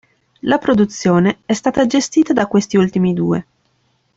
La produzione è stata gestita da questi ultimi due.